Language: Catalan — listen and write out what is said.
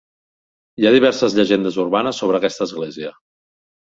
Hi ha diverses llegendes urbanes sobre aquesta església.